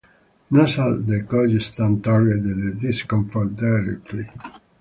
Nasal decongestants target the discomfort directly.